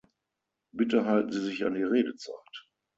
Bitte halten Sie sich an die Redezeit.